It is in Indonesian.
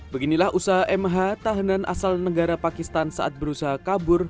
beginilah usaha mh tahanan asal negara pakistan saat berusaha kabur